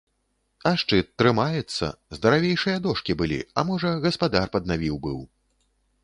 А шчыт трымаецца, здаравейшыя дошкі былі, а можа, гаспадар паднавіў быў.